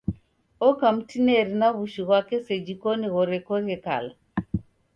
Oka mtineri na wushu ghwape seji koni ghorekoghe kala.